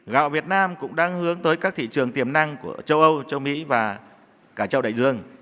gạo việt nam cũng đang hướng tới các thị trường tiềm năng của châu âu châu mỹ và cả châu đại dương